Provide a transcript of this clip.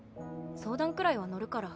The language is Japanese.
相談くらいは乗るから。